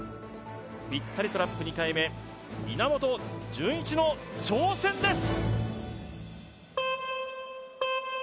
ぴったりトラップ２回目稲本潤一の挑戦です！